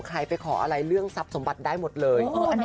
ใครไปขออะไรเรื่องทรัพย์สมบัติได้หมดเลย